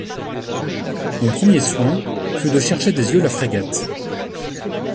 Mon premier soin fut de chercher des yeux la frégate.